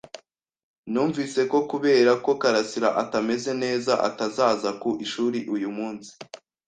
Numvise ko kubera ko karasira atameze neza atazaza ku ishuri uyu munsi.